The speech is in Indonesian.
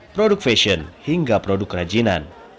produk fashion hingga produk kerajinan